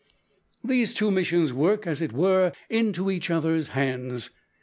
These two missions work, as it were, into each other's hands.